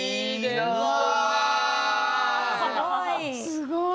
すごい。